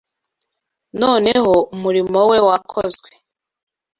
Noneho, umurimo we wakozwe,